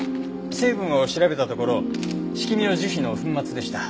成分を調べたところシキミの樹皮の粉末でした。